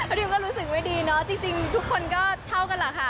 ดิวก็รู้สึกไม่ดีเนาะจริงทุกคนก็เท่ากันแหละค่ะ